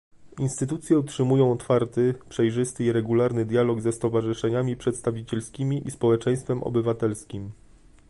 Instytucje utrzymują otwarty, przejrzysty i regularny dialog ze stowarzyszeniami przedstawicielskimi i społeczeństwem obywatelskim